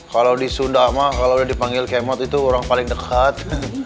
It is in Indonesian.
kalau di sunda mah kalau dipanggil kemot itu orang paling dekat